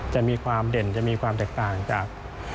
จะมีความเด่นจะมีความแตกต่างจาก